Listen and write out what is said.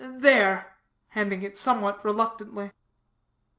There," handing it somewhat reluctantly.